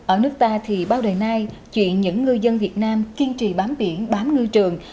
ở nước ta thì bao đời nay chuyện những ngư dân việt nam kiên trì bám biển bám ngư trường